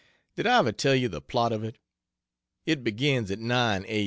Did I ever tell you the plot of it? It begins at 9 a.